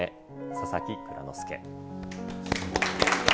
佐々木蔵之介。